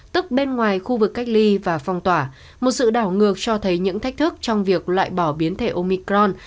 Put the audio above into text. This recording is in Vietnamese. tức bên ngoài khu vực cách ly và phong tỏa một sự đảo ngược cho thấy những thách thức trong việc loại bỏ biến thể omicron